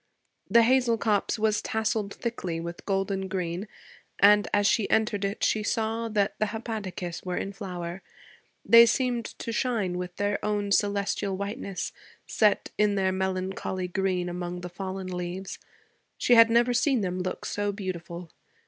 The hazel copse was tasseled thickly with golden green, and as she entered it she saw that the hepaticas were in flower. They seemed to shine with their own celestial whiteness, set in their melancholy green among the fallen leaves. She had never seen them look so beautiful.